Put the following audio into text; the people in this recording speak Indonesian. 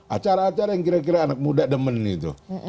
acara acara yang kira kira anak muda demen itu